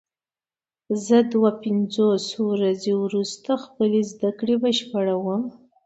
زه دوه پنځوس ورځې وروسته خپلې زده کړې بشپړوم.